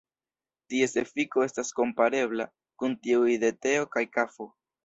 Ties efiko estas komparebla kun tiuj de teo kaj kafo.